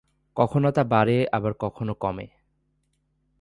কখনো তা বাড়ে আবার কখনো কমে।